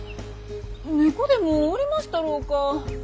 猫でもおりましたろうか？